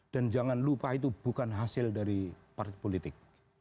dan jangan lupa itu bukan hasil dari partipolitik